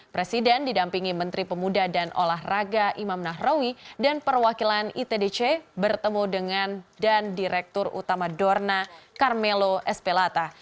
presiden didampingi menteri pemuda dan olahraga imam nahrawi dan perwakilan itdc bertemu dengan dan direktur utama dorna carmelo espelata